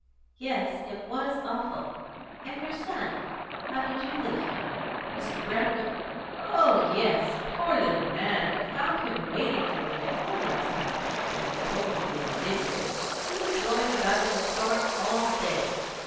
"Yes, it was awful. And your son how did you leave him? Mr. Brandreth " "Oh yes, poor little man! I found him waiting for me at home last night, and he told me he had been here. He was blowing about in the storm all day.